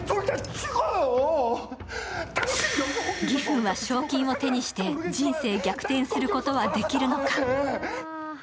ギフンは賞金を手にして人生逆転することはできるのか。